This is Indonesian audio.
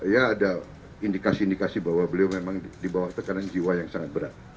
ya ada indikasi indikasi bahwa beliau memang di bawah tekanan jiwa yang sangat berat